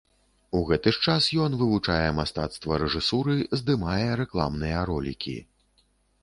У гэты ж час ён вывучае мастацтва рэжысуры, здымае рэкламныя ролікі.